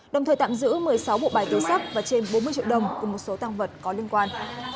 đồng thời tạm giữ một mươi sáu bộ bài tứ sắc và trên bốn mươi triệu đồng của một số tăng vật có liên quan